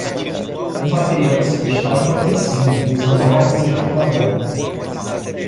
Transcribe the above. Uma criança está em uma piscina usando óculos de tubarão.